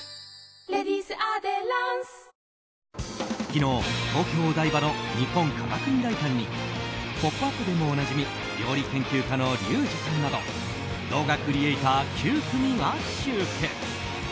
昨日、東京・お台場の日本科学未来館に「ポップＵＰ！」でもおなじみ料理研究家のリュウジさんなど動画クリエーター９組が集結。